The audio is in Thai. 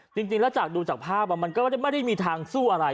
จริงจริงแล้วจากดูจากภาพอ่ะมันก็ไม่ได้ไม่ได้มีทางสู้อะไร